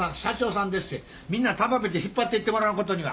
みんな束ねて引っ張ってってもらわんことには。